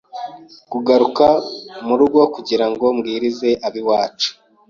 kugaruka mu rugo kugirango mbwirize ab’iwacu